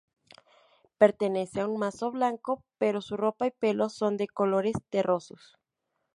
Pertenece a un mazo blanco pero su ropa y pelo son de colores terrosos.